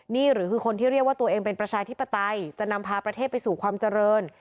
นี่หรือคือคนที่เรียกว่าตัวเองเป็นประชาธิปไตยจะนำพาประเทศไปสู่ความเจริญ